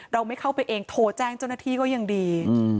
เราไม่เข้าไปเองโทรแจ้งเจ้าหน้าที่ก็ยังดี